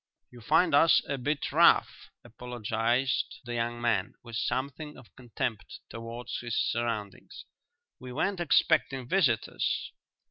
"You find us a bit rough," apologized the young man, with something of contempt towards his surroundings. "We weren't expecting visitors."